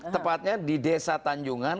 tepatnya di desa tanjungan